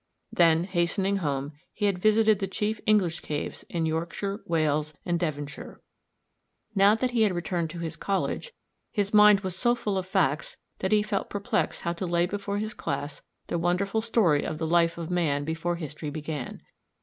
Then hastening home he had visited the chief English caves in Yorkshire, Wales, and Devonshire. Now that he had returned to his college, his mind was so full of facts, that he felt perplexed how to lay before his class the wonderful story of the life of man before history began.